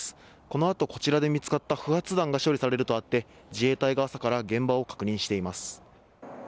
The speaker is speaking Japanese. このあと、こちらで見つかった不発弾が処理されるとあって自衛隊が朝から現場を確認しています。